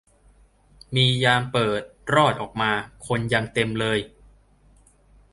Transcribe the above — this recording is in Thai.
มียามเปิด รอด ออกมาคนยังเต็มเลย